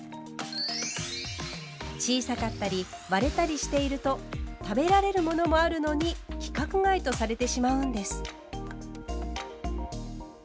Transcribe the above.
小さかったり割れたりしていると食べられるものもあるのに規格外とされてしまうんです。